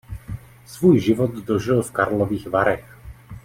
Svůj život dožil v Karlových Varech.